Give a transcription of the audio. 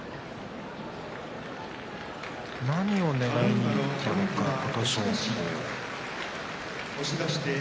何をねらいにいったのか琴勝峰。